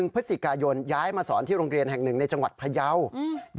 พฤศจิกายนย้ายมาสอนที่โรงเรียนแห่งหนึ่งในจังหวัดพยาว